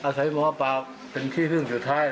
หาไผ่มหาปราวร์เป็นกล้องที่ฮึ่งสุดท้าย